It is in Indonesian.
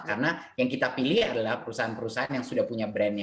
karena yang kita pilih adalah perusahaan perusahaan yang sudah punya brand itu